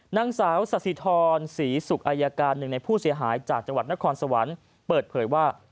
นางสาวสสิทรศรีศุกร์อายการหนึ่งในผู้เสียหายจากจังหวัดนครสวรรค์เปิดเผยว่า